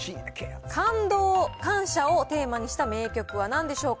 感動、感謝をテーマにした名曲はなんでしょうか。